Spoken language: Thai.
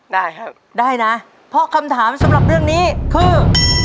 ได้ครับได้นะเพราะคำถามสำหรับเรื่องนี้คือ